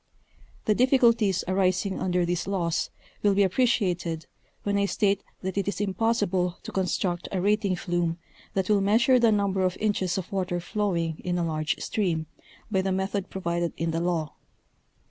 The difficulties arising under these laws will be appreciated, when I state that it is impossible to construct a rating flume that will measure the number of inches of water flowing in a large stream, by the method provided in the law.